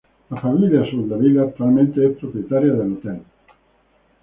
La familia Soldevila actualmente es propietaria del hotel.